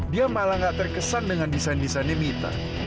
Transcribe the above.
dia malah nggak terkesan dengan desain desainnya mita